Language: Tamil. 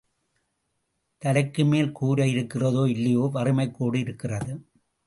தலைக்குமேல் கூரை இருக்கிறதோ இல்லையோ வறுமைக்கோடு இருக்கிறது.